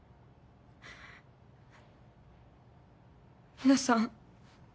皆さん。